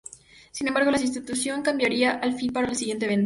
Sin embargo, la situación cambiaría al fin para el siguiente evento.